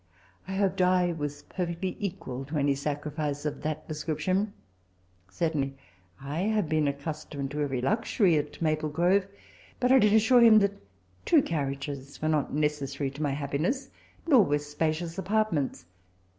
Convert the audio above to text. I hoped I was perfectly equal to any sacrifice of that descriptioa Cer tainly I had been accustomed to every luxury at Maple Grove ; but I did assure him that two carriages were not neces sary to my happiness, nor were spacious apartments.